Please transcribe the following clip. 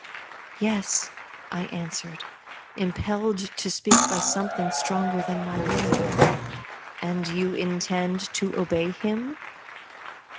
" Yes," I answered, impelled to speak by something stronger than my will. " And you intend to obey him